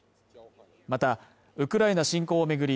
またウクライナ侵攻を巡り